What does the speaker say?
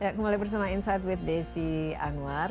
kembali bersama insight with desi anwar